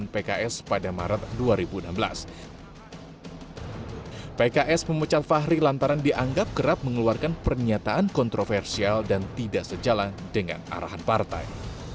pks memecat fahri lantaran dianggap kerap mengeluarkan pernyataan kontroversial dan tidak sejalan dengan arahan partai